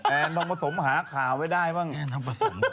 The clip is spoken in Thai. แอนทองประสมหาข่าวไว้ได้บ้าง